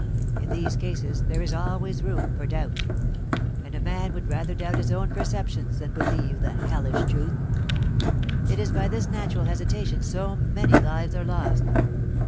In these cases there is always room for doubt; and a man would rather doubt his own perceptions than believe the hellish truth. It is by this natural hesitation so many lives are lost.